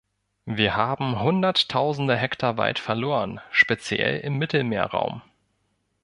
Wir haben hunderttausende Hektar Wald verloren, speziell im Mittelmeerraum.